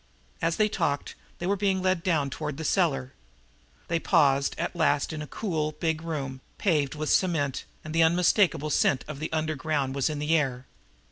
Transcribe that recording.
As they talked, they were being led down toward the cellar. They paused at last in a cool, big room, paved with cement, and the unmistakable scent of the underground was in the air.